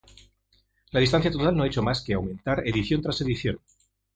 La distancia total no ha hecho más que aumentar edición tras edición.